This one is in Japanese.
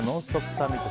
サミット。